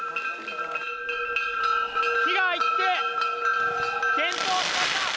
火が行って点灯しました。